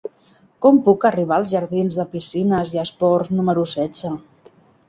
Com puc arribar als jardins de Piscines i Esports número setze?